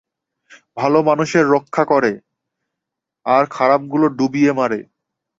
ভালো মানুষের রক্ষা করে, আর খারাপগুলো ডুবিয়ে মারে।